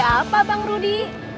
ada apa bang rudi